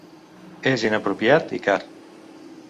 És inapropiat, i car.